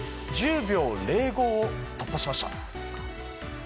１０秒０５を突破しました。